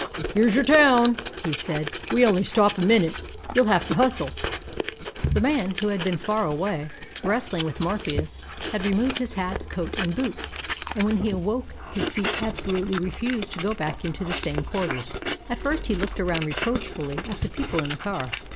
"Here's your town," he said. "We only stop a minute. You'll have to hustle." The man, who had been far away, wrestling with Morpheus, had removed his hat, coat, and boots, and when he awoke his feet absolutely refused to go back into the same quarters. At first he looked around reproachfully at the people in the car.